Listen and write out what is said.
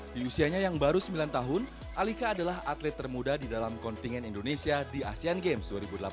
di usianya yang baru sembilan tahun alika adalah atlet termuda di dalam kontingen indonesia di asean games dua ribu delapan belas